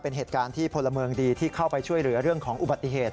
เป็นเหตุการณ์ที่พลเมืองดีที่เข้าไปช่วยเหลือเรื่องของอุบัติเหตุ